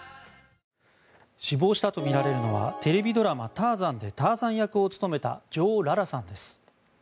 死亡したとみられるのはテレビドラマ「ターザン」でターザン役を務めたジョー・ララさんです。